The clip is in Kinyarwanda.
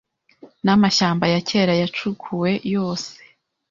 Namashyamba ya kera yacukuwe yose